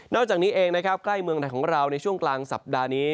อกจากนี้เองนะครับใกล้เมืองไทยของเราในช่วงกลางสัปดาห์นี้